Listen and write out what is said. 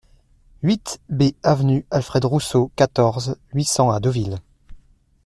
huit B avenue Alfred Rousseau, quatorze, huit cents à Deauville